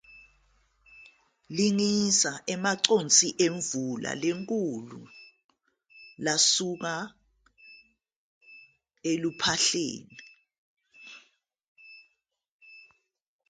Lingisa amaconsi emvula enkulu asuka ophahleni.